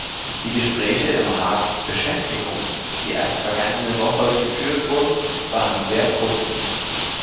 Die Gespräche im Rat "Beschäftigung", die erst vergangene Woche geführt wurden, waren sehr positiv.